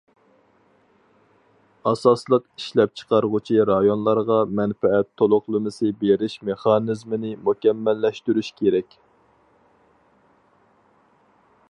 ئاساسلىق ئىشلەپچىقارغۇچى رايونلارغا مەنپەئەت تولۇقلىمىسى بېرىش مېخانىزمىنى مۇكەممەللەشتۈرۈش كېرەك.